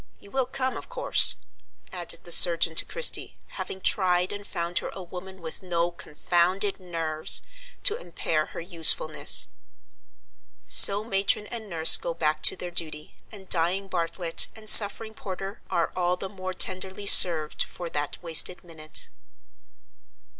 You will come, of course?" added the surgeon to Christie, having tried and found her a woman with no "confounded nerves" to impair her usefulness. So matron and nurse go back to their duty, and dying Bartlett and suffering Porter are all the more tenderly served for that wasted minute.